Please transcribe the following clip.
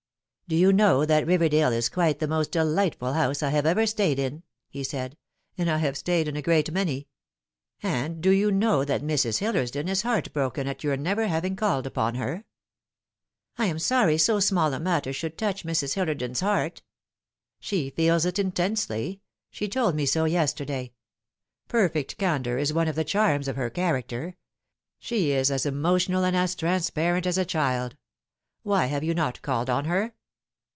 " Do you know that Riverdale is quite the most delightful house I have ever stayed in ?" he said ;" and I have stayed in a great many. And do you know that Mrs. Hillersdon is heart broken at your never having called upon her ?" 104 The Fatal Three. " I am sorry so small a matter should touch Mrs. Hillersdon's heart." " She feels it intensely. She told me so yesterday. Perfect candour is one of the charms of her character. She is as emo tional and as transparent as a child. Why have yon not called on her?"